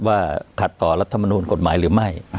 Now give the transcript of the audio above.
ว่าขัดต่อรัฐมนูลกฎหมายหรือไม่